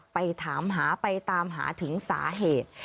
ไปถามหาไปตามหาถึงสาเหตุ